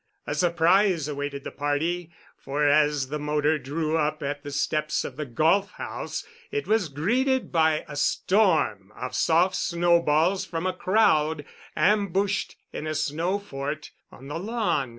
A surprise awaited the party, for as the motor drew up at the steps of the Golf House it was greeted by a storm of soft snowballs from a crowd ambushed in a snow fort on the lawn.